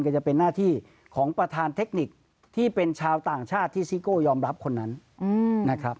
ก็จะเป็นหน้าที่ของประธานเทคนิคที่เป็นชาวต่างชาติที่ซิโก้ยอมรับคนนั้นนะครับ